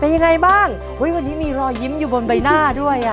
เป็นยังไงบ้างอุ้ยวันนี้มีรอยยิ้มอยู่บนใบหน้าด้วยอ่ะ